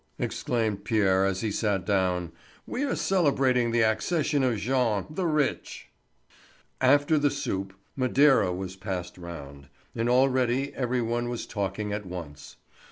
exclaimed Pierre as he sat down. "We are celebrating the accession of Jean the rich." After the soup, Madeira was passed round, and already every one was talking at once.